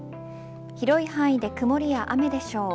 広い範囲で曇りや雨でしょう。